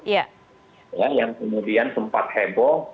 yang kemudian sempat heboh